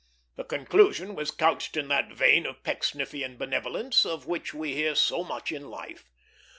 The conclusion was couched in that vein of Pecksniffian benevolence of which we hear so much in life.